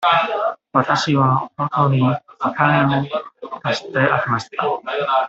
わたしは弟にお金を貸してあげました。